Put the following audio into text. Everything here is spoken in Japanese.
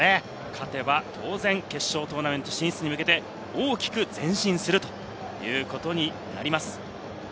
勝てば当然、決勝トーナメント進出に向けて、大きく前進するということになります。